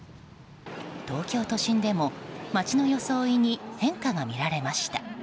東京都心でも街の装いに変化がみられました。